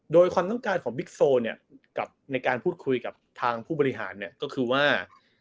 โดยความต้องการของบิ๊กโซลในการพูดคุยกับทางผู้บริหารก็คือว่า